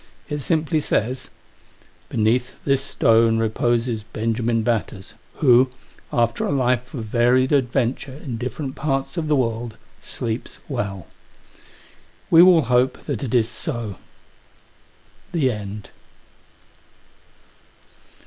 It simply says : "BENEATH THIS STONE REPOSES BENJAMIN BATTERS, WHO, AFTER A LIFE OF VARIED ADVENTURE IN DIFFERENT PARTS OF THE WORLD, SLEEPS WELL. We will hope that it is so. THE END.